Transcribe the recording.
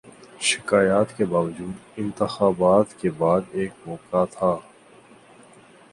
شکایات کے باوجود، انتخابات کے بعد ایک موقع تھا۔